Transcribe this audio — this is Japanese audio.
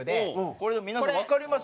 これ皆さんわかります？